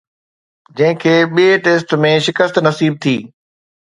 جنهن کي ٻئي ٽيسٽ ۾ شڪست نصيب ٿي